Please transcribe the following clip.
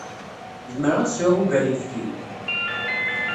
Zemreɣ ad sɛuɣ ugar n uyefki?